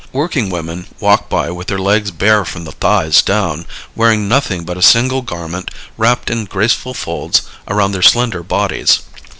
Working women walk by with their legs bare from the thighs down, wearing nothing but a single garment wrapped in graceful folds around their slender bodies.